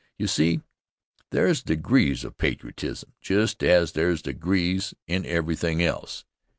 You see, there's degrees of patriotism just as there's degrees in everything else.